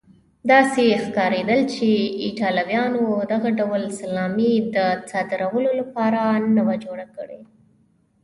داسې ښکارېدل چې ایټالویانو دغه ډول سلامي د صادرولو لپاره نه وه جوړه کړې.